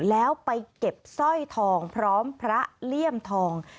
แล้วไปเก็บสร้อยทองพร้อมพระเลี่ยมทอง